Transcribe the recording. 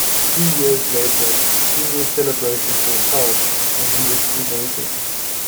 Two years later funeral celebrations were held and he was cremated.